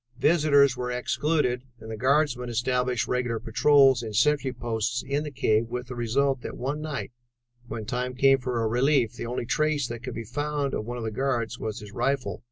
Visitors were excluded, and the guardsmen established regular patrols and sentry posts in the cave with the result that one night, when time came for a relief, the only trace that could be found of one of the guards was his rifle.